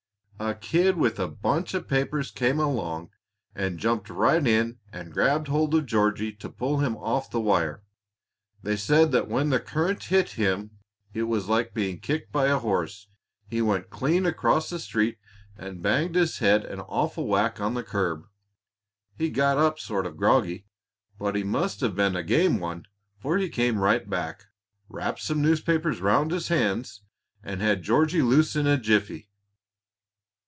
A kid with a bunch of papers came along, and jumped right in and grabbed hold of Georgie to pull him off the wire. They said that when the current hit him it was like being kicked by a horse. He went clean across the street and banged his head an awful whack on the curb. He got up sort of groggy, but he must have been a game one, for he came right back, wrapped some newspapers around his hands, and had Georgie loose in a jiffy!"